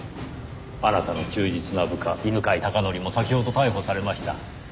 あなたの忠実な部下犬飼孝則も先ほど逮捕されました。